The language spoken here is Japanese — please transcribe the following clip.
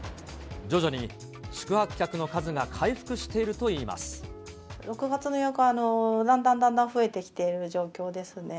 徐々に宿泊客の数が回復している６月の予約は、だんだんだんだん増えてきている状況ですね。